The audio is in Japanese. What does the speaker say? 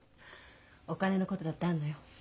お金のことだってあるのよ。